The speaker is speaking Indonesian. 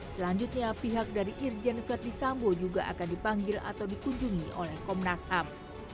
selanjutnya pihak dari irjen verdi sambo juga akan dipanggil atau dikunjungi oleh komnas ham